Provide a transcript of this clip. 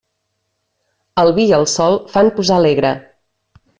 El vi i el sol fan posar alegre.